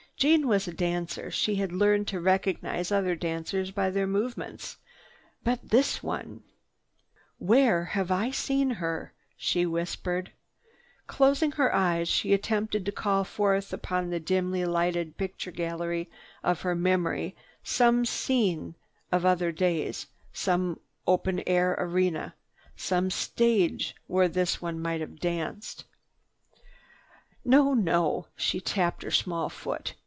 Jeanne was a dancer. She had learned to recognize other dancers by their movements. But this one— "Where have I seen her?" she whispered. Closing her eyes, she attempted to call forth upon the dimly lighted picture gallery of memory some scene of other days, some open air arena, some stage where this one had danced. "No, no!" She tapped her small foot.